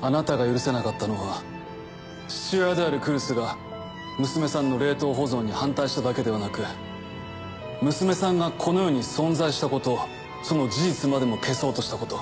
あなたが許せなかったのは父親である来栖が娘さんの冷凍保存に反対しただけではなく娘さんがこの世に存在したことその事実までも消そうとしたこと。